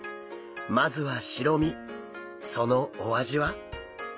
まずは白身そのお味は？